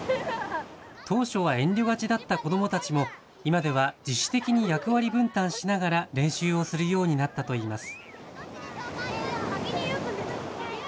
当初は遠慮がちだった子どもたちも、今では自主的に役割分担しながら練習をするようになったといいます。